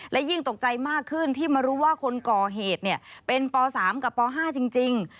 และยิ่งตกใจมากขึ้นที่มารู้ว่าคนก่อเหตุเป็นป๓กับป๕จริง